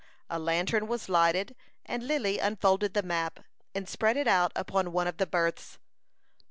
A lantern was lighted, and Lily unfolded the map, and spread it out upon one of the berths.